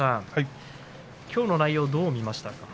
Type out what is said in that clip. きょうの内容、どう見ましたか。